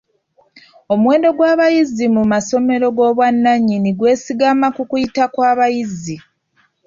Omuwendo gw'abayizi mu masomero g'obwannannyini gwesigama ku kuyita kw'abayizi.